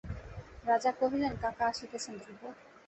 রাজা কহিলেন কাকা আসিতেছেন ধ্রুব।